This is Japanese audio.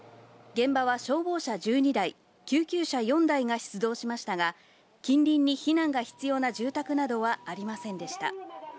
現場は消防車１２台、救急車４台が出動しましたが、近隣に避難が必要な住宅などはありませんでした。